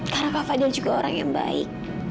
karena kak fadil juga orang yang baik